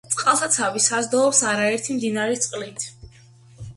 წყალსაცავი საზრდოობს არაერთი მდინარის წყლით.